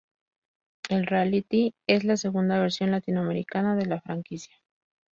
El reality es la segunda versión latinoamericana de la franquicia.